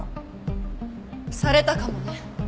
されたかもね。